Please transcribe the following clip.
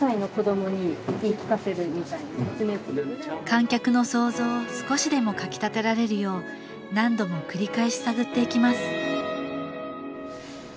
観客の想像を少しでもかきたてられるよう何度も繰り返し探っていきます